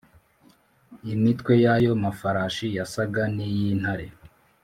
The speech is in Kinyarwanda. Imitwe y’ayo mafarashi yasaga n’iy’intare,